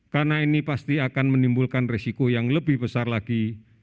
karena ini pasti akan menimbulkan resiko yang lebih besar lagi